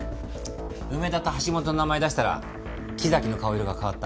梅田と橋下の名前出したら木崎の顔色が変わった。